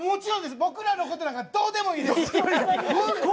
僕らのことなんかどうでもいいです！